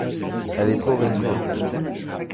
Elle est trop restreinte.